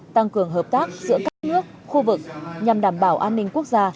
tăng cường hợp tác giữa các nước khu vực nhằm đảm bảo an ninh quốc gia